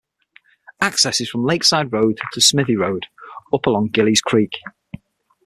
Access is from Lakeside Road to Smythe Road up along Gillies Creek.